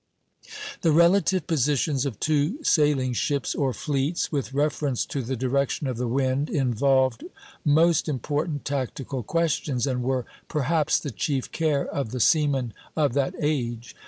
The relative positions of two sailing ships, or fleets, with reference to the direction of the wind involved most important tactical questions, and were perhaps the chief care of the seamen of that age.